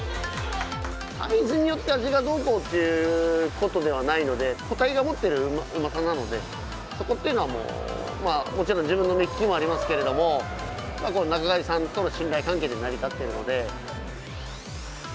サイズによって、味がどうこうということではないので、個体が持ってるうまさなので、そこっていうのはもちろん自分の目利きもありますけれども、この仲買いさんとの信頼関係で成り立ってるので。